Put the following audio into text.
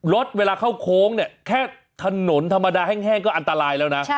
รถเวลาเข้าโค้งเนี่ยแค่ถนนธรรมดาแห้งก็อันตรายแล้วนะ